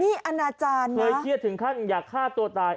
นี่อนาจารย์เคยเครียดถึงขั้นอยากฆ่าตัวตาย